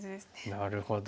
なるほど。